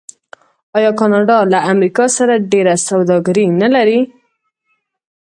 آیا کاناډا له امریکا سره ډیره سوداګري نلري؟